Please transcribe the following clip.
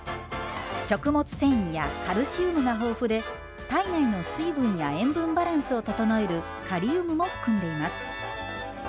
食物繊維やカルシウムが豊富で体内の水分や塩分バランスを整えるカリウムも含んでいます。